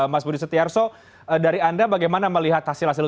mas budi setiarso dari anda bagaimana melihat hasil hasil